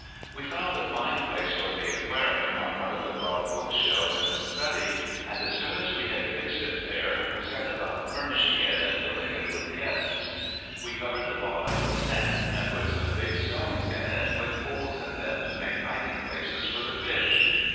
We found a fine place for the Aquarium on one of the broad bookshelves in the study, and as soon as we had fixed it there we set about furnishing it and filling it with guests. We covered the bottom with sand, and put some big stones in it with holes in them to make hiding places for the fish.